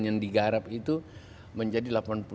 yang digarap itu menjadi